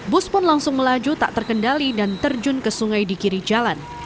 bus pun langsung melaju tak terkendali dan terjun ke sungai di kiri jalan